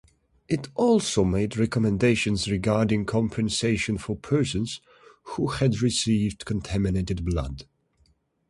It also made recommendations regarding compensation for persons who had received contaminated blood.